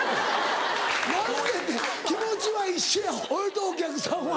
「何で？」って気持ちは一緒や俺とお客さんは。